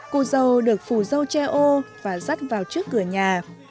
cô dâu được phù dâu che ô và dắt vào trước cửa nhà